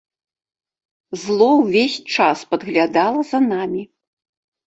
Зло ўвесь час падглядала за намі.